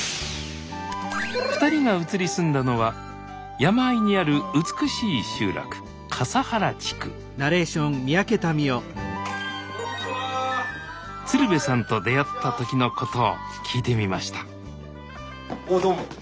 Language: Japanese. ２人が移り住んだのは山あいにある美しい集落笠原地区鶴瓶さんと出会った時のことを聞いてみましたおおどうも。